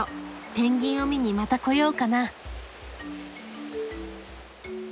ペンギンを見にまた来ようかな。